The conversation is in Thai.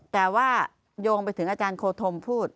แต่ว่าโยงไปถึงอาจารย์โคธมพูด